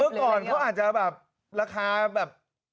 เมื่อก่อนเขาอาจจะแบบราคาแบบ๑๕๐